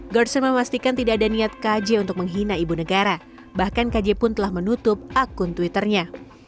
gerson memastikan tidak ada niat kj untuk menghina ibu negara bahkan kj pun telah menutup akun twitternya